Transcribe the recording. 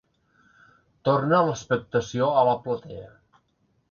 Torna l'expectació a la platea.